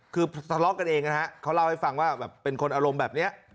คือทะเลาะกันเองนะฮะเขาเล่าให้ฟังว่าแบบเป็นคนอารมณ์แบบนี้